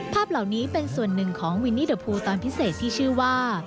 ภาพเหล่านี้เป็นส่วนหนึ่งของวินนี่เดอร์พูลตอนพิเศษที่ชื่อว่า